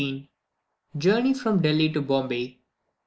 JOURNEY FROM DELHI TO BOMBAY.